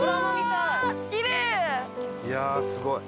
いやあすごい。